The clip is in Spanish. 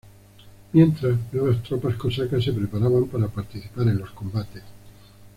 Mientras, nuevas tropas cosacas se preparaban para participar en los combates.